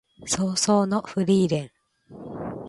葬送のフリーレン